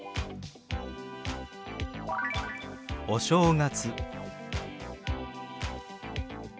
「お正月」。